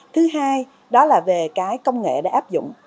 thứ hai đó là về cái công nghệ đã áp dụng